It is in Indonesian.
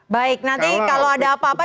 baik nanti kalau ada apa apa